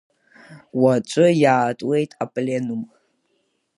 Уаҵәы иаатуеит Апленум.